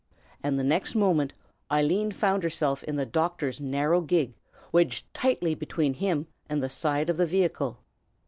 And the next moment Eileen found herself in the doctor's narrow gig, wedged tightly between him and the side of the vehicle.